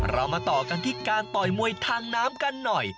เรามาต่อกันที่การต่อยมวยทางน้ำกันหน่อย